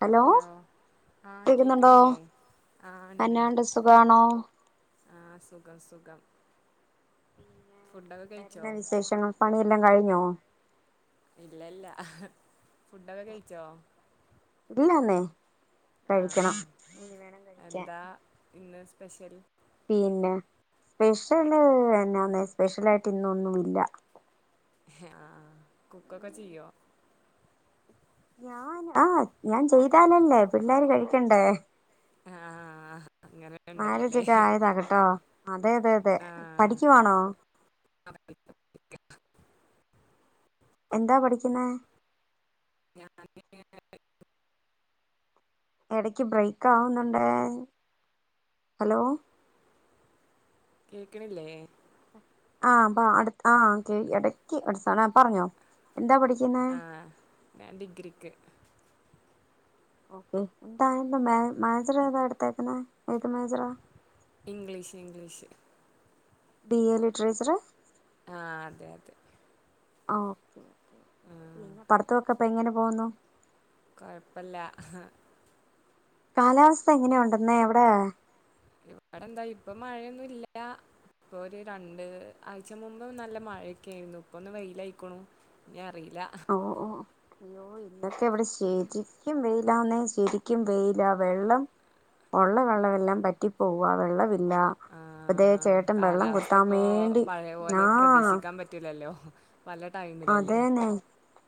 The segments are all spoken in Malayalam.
ഹലോ ആ കേക്കുന്നുണ്ടോ കേക്കണില്ലേ ആ ഇണ്ട്ണ്ട് എന്നാണ്ട് സുഖആണോ ആ സുഖം സുഖം ഫുഡൊക്കെ കഴിച്ചോ എന്ന വിശേഷങ്ങ പണിയെല്ലാം കഴിഞ്ഞോ ഇല്ല ഇല്ല ഫുഡൊക്കെ കഴിച്ചോ ഇല്ലന്നെ ആ കഴിക്കണം ഇനി വേണം കഴിക്കാൻ എന്താ ഇന്ന് സ്പെഷ്യൽ പിന്നെ സ്പെഷ്യല് എന്നാന്ന സ്പെഷ്യൽ ആയിട്ട് ഇന്നൊന്നുംല്ല ആ ആ കുക്കൊക്കെ ചെയ്യോ ഞാൻ ആ ഞാൻ ചെയ്താലല്ലേ പിള്ളോര് കഴിക്കണ്ടേ ആ അങ്ങനെ ഉണ്ടല്ലോല്ലേ മാരേജൊക്കെ ആയതാണുട്ടോ അതെയതെയതെ ആ പഠിക്കുവാണോ ക എന്താ പഠിക്കുന്നെ [unintelligible] ഇടക്ക് ബ്രേക്ക് ആവുന്നുണ്ട് ഹലോ കേക്കണില്ലേ ആ അപ്പ അടു ആഹ് ഇടക്ക് [unintelligible] പറഞ്ഞോ. എന്താ പഠിക്കുന്നേ ആഹ് ഞാൻ ഡിഗ്രിക്ക്. [unintelligible] മേജറ ഏതാ എടുത്തേക്കണെ ഏത് മേജറാ. English English BA literature. ആഹ് അതെ അതെ. ആ ഓക്കെ ആ പിന്നെ പഠിത്തയൊക്കെ ഇപ്പൊ എങ്ങനെ പോന്നു. കൊഴപ്പല്ല ആഹ് കാലാവസ്ഥ എങ്ങനെയുണ്ടെന്നെ അവിടെ. ഇവിടെ എന്താ ഇപ്പൊ മഴയൊന്നു ഇല്ല ഇപ്പൊ ഒരു രണ്ട് ആഴ്ച്ച മുമ്പ് നല്ല മഴയൊക്കെയിരുന്നു ഇപ്പൊയൊന്ന് വെയിലയിക്കണു ഇനി അറിയാം. ഓ ഓ അയ്യോ ഇനി അതൊക്കെ ഇവിടെ ശരിക്കും വെയില്. ഇതാണ് ശരിക്കും വെയില് വെള്ളം ഉള്ള വെള്ളവെല്ലാം പറ്റിപ്പോവാ വെള്ളം. ഇല്ല ആ, അതേ ചേട്ടൻ വെള്ളം കാലാവസ്ഥ കുത്താൻ ഇപ്പോ വേണ്ടി പഴയ പോലെ ആഹ് പ്രതീക്ഷിക്കാൻ പറ്റൂലല്ലോ പല ടൈമിലല്ലേ അതെന്നെ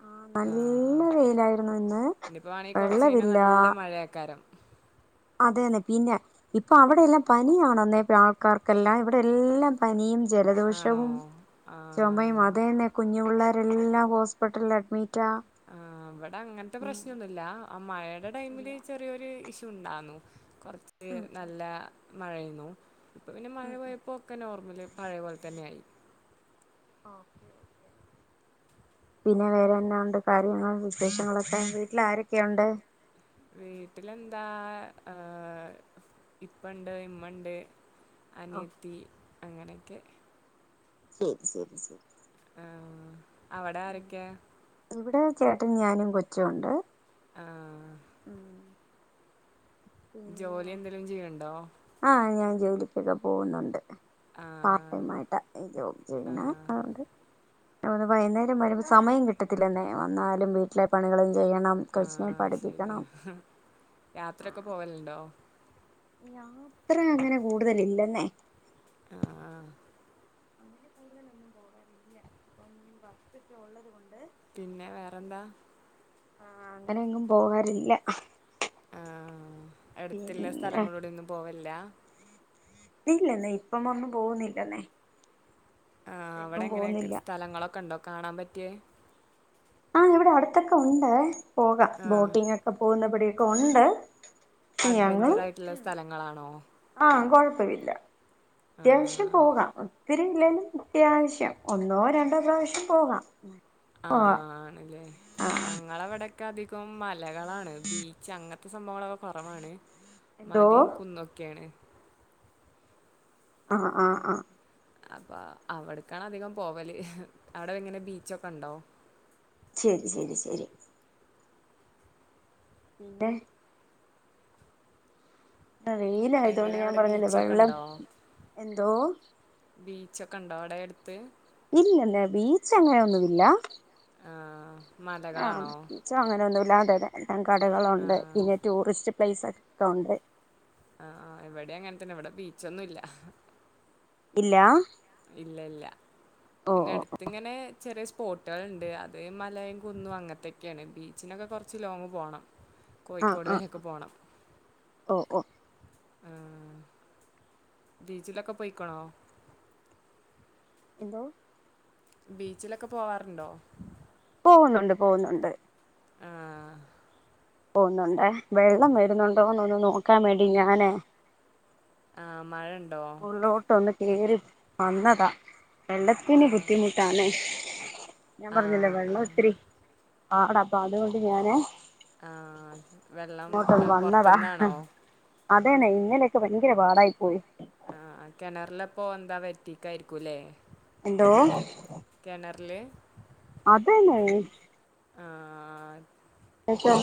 ആ നല്ല വെയിലായിരുന്നു ഇന്ന് ഇനിയിപ്പോ ആണെങ്കിൽ കുറച്ച് കഴിഞ്ഞാൽ വെള്ളവില്ല. നല്ല മഴയാക്കാരം അതെന്നെ പിന്നെ ഇപ്പൊ അവിടെയെല്ലാം പനിയണന്നേ ആൾക്കാർക്കെല്ലാം ഇവിടെ എല്ലാം പനിയും. ആണോ ജലദോഷവും ആ ചുമയും അതന്നെ കുഞ്ഞുപുള്ളരെ. എല്ലാ ഹോസ്പിറ്റൽ അഡ്മിറ്റ്. ആഹ് ഇവിടെ അങ്ങനെത്തെ പ്രശ്നമൊന്നുമില്ല ആ മഴയുടെ ഇല്ല ടൈമില് ചെറിയൊരു ഇഷ്യ ഉണ്ടെന്ന് കുറച്ച് ഉം ഇത് നല്ല. മഴയിന്നു ഇപ്പൊ പിന്നെ മഴ ഉം ഉം പോയപ്പോക്കെ നോർമില്. പഴയപോലെ തന്നെയായി. പിന്നെ വേറെയന്നെ ഉണ്ട് കാര്യങ്ങൾ വിശേഷങ്ങളൊക്കെ വീട്ടിൽ ആരൊക്കെയുണ്ട്. വീട്ടിലെന്താ ആഹ് ഇപ്പണ്ട് ഇമ്മണ്ട്. ഓ അനയത്തി. അങ്ങനെയെക്കെ ശരി ശരി ശരി ആഹ് അവിടെ ഉം ആരെയൊക്കെയാ ഇവിടെ ചേട്ടൻ ഞാനും കൊച്ചുവുണ്ട്. ആഹ് ഉം ജോലി എന്തെലും ചെയ്യണ്ടോ. ആഹ ഞാൻ ജോലിക്കൊക്കെ പോകുന്നുണ്ട് പാർടൈം ആഹ് ആയിട്ട് ഈ ജോബ് ചെയ്യണ് ആഹ് അതുകൊണ്ട് [unintelligible] വൈയ്യ്ന്നേരം വരുമ്പോ സമയം കിട്ടത്തില്ലെന്നെ വന്നാലും വീട്ടിലെ പണികള് ആഹ് ആഹ് ശെരിയാ യാത്രയൊക്കെ പോവൽണ്ടോ യാത്ര അങ്ങന കൂട്തലില്ലന്നേ ആഹ് ആഹ് അങ്ങന കൂട്തലൊന്നും പോവാറില്ല ഇപ്പം വർക്ക്ക്കെ ഒള്ളത് കൊണ്ട് പിന്നെ വേറെന്താ ആഹ് അങ്ങന എങ്ങും പോവാറില്ല ആഹ് ആഹ് അട്ത്ത്ള്ള സ്ഥലങ്ങളുട ഒന്നും പോവ ഇല്ലാ ന്നില്ലെന്നെ ഇപ്പം ഒന്നും പോവുന്നില്ലെന്നെ ആഹ് അവട എങ്ങനെക്കെ സ്ഥലങ്ങളൊക്കൊണ്ടോ കാണാം പറ്റിയേ ആഹ് ഇവട അടുത്തൊക്കെയുണ്ട് പോകാം ബോട്ടിംഗ് ഒക്ക പോവ്ന്ന പടി ക്ക ഒണ്ട് അഡ്വഞ്ചർ ആയിട്ടിള്ള സ്ഥലങ്ങളാണോ ആഹ് കൊഴപ്പവില്ല ത്യാവിശ്യം ആഹ് പോകാം ത്തിരി ഇല്ലേലും ത്യാവശ്യം ഒന്നോ രണ്ടോ പ്രാവശ്യം പോവാം ആഹ് ആണല്ലേ ഞങ്ങളവിടെ ക്ക് അധികോം മൽ ല കളാണ് ബീച്ച് അങ്ങ ക്ക് സ്വഭാവകളെയൊക്കെ കൊറവാണ് എന്തോ മലയും കുന്നുക്കേണ് ആഹ് ആഹ് ആഹ് അപ്പോ അവ്ട്ക്കാണ് അധികം പോവല് അവട വെങ്ങനെ ബീച്ചൊക്കൊണ്ടോ ശെരി ശെരി ശെരി പിന്നെ ന്ന വെയിലായതോണ്ട് എങ്ങനെ ഞാൻ അവിടെ പറഞ്ഞില്ലേ ബീച്ചൊക്കെ വെള്ളം ഉണ്ടോ എന്തോ ബീച്ചൊക്കോണ്ടോ അവ്ടെ എട്ത്ത് ഇല്ലല്ല ബീച്ച് അങ്ങനെയൊന്നുവില്ല ആ, ആഹ് മലകളാണോ ബീച്ചോ അങ്ങനൊന്നു [unintelligible] ആ, കടകളൊണ്ട് പിന്നെ ടൂറിസ്റ്റ് [unintelligible] ആഹ എവിടെ അങ്ങനെത്തന്നെ ഇവിടെ ബീച്ചൊന്നുംല്ല ഇല്ല ഇല്ല ഇല്ല ഓ പിന്നെ ഓ അടുത്തിങ്ങനെ ചെറിയ സ്പോട്ടുകളുണ്ട് അത് മലയും കുന്നും അങ്ങനത്തൊക്കെയാണ് ബീച്ചിനൊക്കെ കുറച്ച് ലോങ്ങ് പോകണം ആഹ് കോഴിക്കോട് ആഹ് വരെയൊക്കെ ആ പോകണം ഓ ഓ ആ ബീച്ചിലൊക്കെ പോയിക്ക്ണോ എന്തോ ബീച്ചിലൊക്കെ പോവാറുണ്ടോ പോകുന്നുണ്ട് പോകുന്നുണ്ട് ആഹ പോന്നുന്നുണ്ടേ വെള്ളം വരുന്നുണ്ടോന്ന്ന്നോക്കാൻ വേണ്ടി ഞാനേ ആഹ മഴ ഉണ്ട് ഉള്ളോട്ട് ഒന്ന് കേറി വന്നതാ ആ വെള്ളത്തിന് ബുദ്ധിമുട്ടാണ് ഞാൻ ആ പറഞ്ഞില്ലേ ആ വെള്ളം ഇത്തിരി ആട അപ്പൊ അതുകൊണ്ട് ഞാന് ആഹ വെള്ളം പൊറത്തുന്നാണോ അതെന്നെ ഇങ്ങനെയൊക്കെ ഭയങ്കര പാടായി പോയി ആഹ കിണറില പോ എന്താ വറ്റീക്കായിരിക്കൂല്ലേ എന്തോ റ്റില് അതേന്നെ ഇപ്പൊ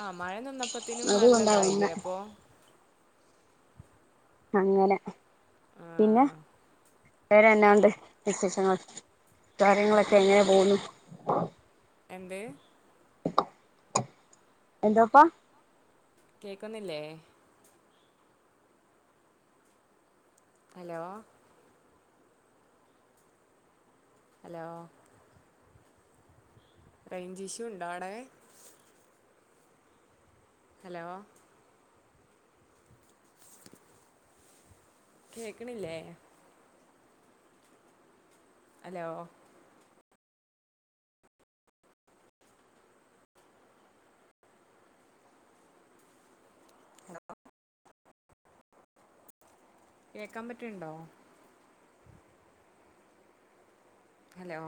ആഹ മഴ നിന്നപ്പത്തിനും അതുകൊണ്ടാ വന്നെ നല്ലതായില്ലേ അപ്പൊ അങ്ങനെ ആഹ വേറെ എന്നാ ഉണ്ട് വിശേഷങ്ങൾ കാര്യങ്ങളൊക്കെ എങ്ങനാ പോകുന്നു എന്തേ എന്താപ്പാ കേക്കുന്നില്ലേ ഹലോ ഹലോ റേഞ്ച് ഷു ഇണ്ടോ അടെ ഹലോ കേക്കണില്ലേ ഹലോ കേക്കാൻ പറ്റ്ണ്ടോ ഹലോ